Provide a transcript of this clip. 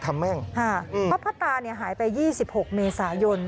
ครับเพราะพ่อตาหายไป๒๖เมษายน